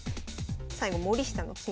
最後森下の金。